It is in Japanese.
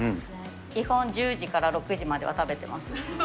基本１０時から６時までは食べてます。